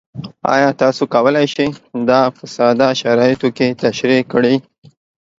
ایا تاسو کولی شئ دا په ساده شرایطو کې تشریح کړئ؟